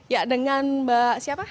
ya dengan mbak siapa